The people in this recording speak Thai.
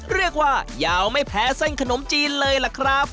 เรียกว่ายาวไม่แพ้เส้นขนมจีนเลยล่ะครับ